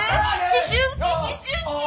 思春期思春期。